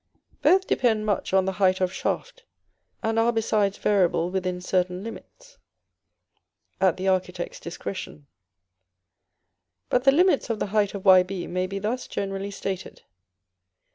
Both depend much on the height of shaft, and are besides variable within certain limits, at the architect's discretion. But the limits of the height of Yb may be thus generally stated.